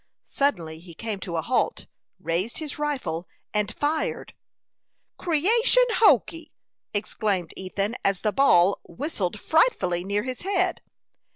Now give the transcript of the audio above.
Suddenly he came to a halt, raised his rifle, and fired. "Creation hokee!" exclaimed Ethan, as the ball whistled frightfully near his head.